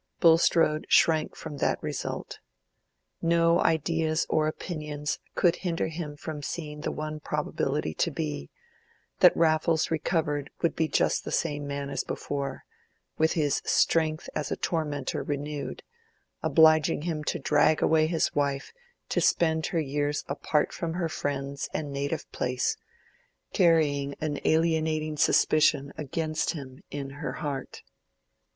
Bulstrode shrank from that result. No ideas or opinions could hinder him from seeing the one probability to be, that Raffles recovered would be just the same man as before, with his strength as a tormentor renewed, obliging him to drag away his wife to spend her years apart from her friends and native place, carrying an alienating suspicion against him in her heart.